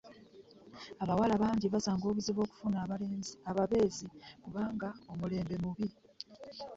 Abawala bangi basanga obuzibu okufuna ababeezi kubanga omulembe mubi.